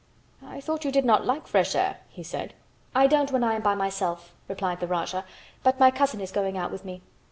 "I thought you did not like fresh air," he said. "I don't when I am by myself," replied the Rajah; "but my cousin is going out with me."